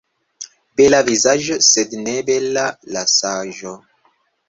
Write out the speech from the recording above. Bela vizaĝo, sed ne bela la saĝo.